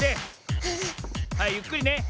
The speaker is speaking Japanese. はいゆっくりね。